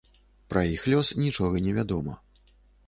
Пра іх лёс нічога невядома.